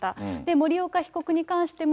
森岡被告に関しても、